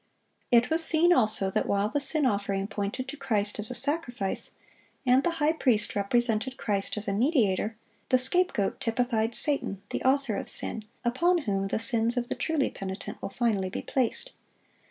It was seen, also, that while the sin offering pointed to Christ as a sacrifice, and the high priest represented Christ as a mediator, the scapegoat typified Satan, the author of sin, upon whom the sins of the truly penitent will finally be placed.